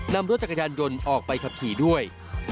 นำรถจักรยานยนต์ออกไปขับขี่ด้วย